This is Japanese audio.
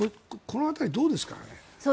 この辺り、どうですかね？